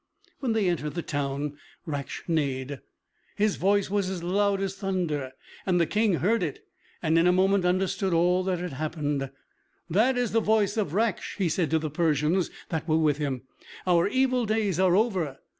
When they entered the town, Raksh neighed. His voice was as loud as thunder, and the King heard it, and in a moment understood all that had happened. "That is the voice of Raksh," he said to the Persians that were with him; "our evil days are over.